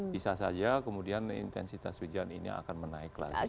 bisa saja kemudian intensitas hujan ini akan menaik lagi